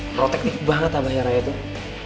protektif banget abahnya raya tuh